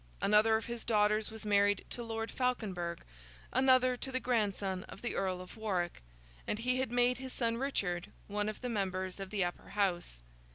Another of his daughters was married to Lord Falconberg, another to the grandson of the Earl of Warwick, and he had made his son Richard one of the Members of the Upper House.